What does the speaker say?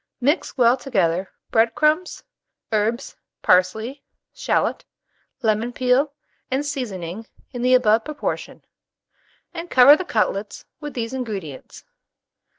Mix well together bread crumbs, herbs, parsley, shalot, lemon peel, and seasoning in the above proportion, and cover the cutlets with these ingredients.